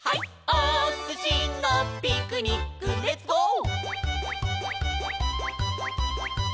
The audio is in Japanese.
おすしのピクニックレッツゴー！」